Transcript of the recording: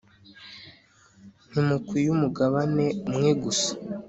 ntimukwiye umugabane umwe gusa